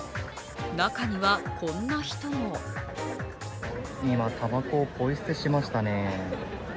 中にはこんな人も今、たばこをポイ捨てしましたね。